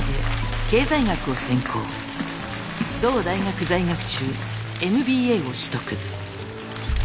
同大学在学中ＭＢＡを取得。